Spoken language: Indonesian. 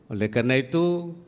oleh karena itu